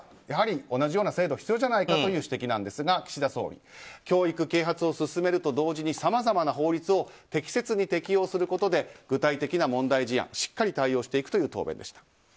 やはり同じような制度が必要じゃないかという指摘ですが岸田総理教育啓発を進めると同時にさまざまな法律を具体的な問題事案にしっかり対応していくということでした。